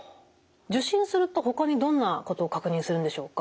受診するとほかにどんなことを確認するんでしょうか？